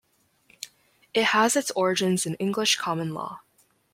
It has its origins in English common law.